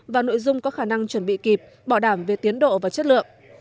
và nội dung có khả năng chuẩn bị kịp bỏ đảm về tiến độ và chất lượng